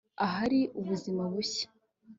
ahari ubuzima bushya